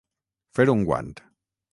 Fer un guant.